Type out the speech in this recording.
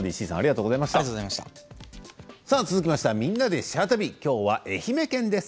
続きましては「みんなでシェア旅」きょうは愛媛県です。